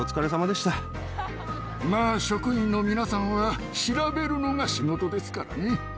まあ、職員の皆さんは調べるのが仕事ですからね。